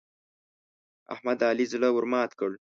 احمد د علي زړه ور مات کړ.